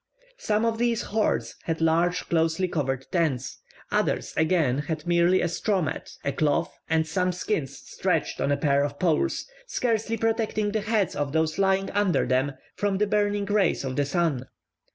Some of these hordes had large closely covered tents; others again had merely a straw mat, a cloth, or some skins stretched on a pair of poles, scarcely protecting the heads of those lying under them from the burning rays of the sun.